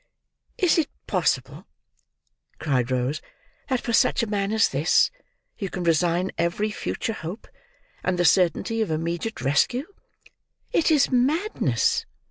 "Is it possible," cried Rose, "that for such a man as this, you can resign every future hope, and the certainty of immediate rescue? It is madness."